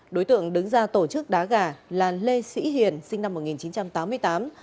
đối tượng đứng ra tổ chức đá gà là lê sĩ hiền sinh năm một nghìn chín trăm tám mươi tám